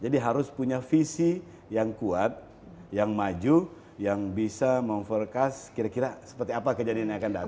jadi harus punya visi yang kuat yang maju yang bisa memperkas kira kira seperti apa kejadian yang akan datang